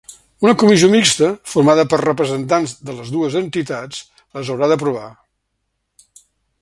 Una comissió mixta, formada per representants de les dues entitats, les haurà d’aprovar.